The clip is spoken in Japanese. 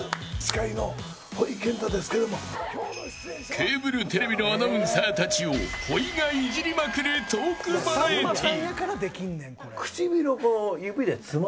ケーブルテレビのアナウンサーたちをほいがいじりまくるトークバラエティー。